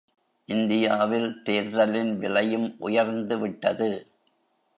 இந்தியாவில் தேர்தலின் விலையும் உயர்ந்துவிட்டது.